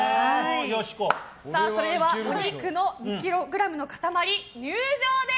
それではお肉２ｋｇの塊、入場です。